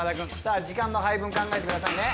時間の配分考えてくださいね。